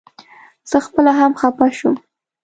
زه خپله هم خپه شوم.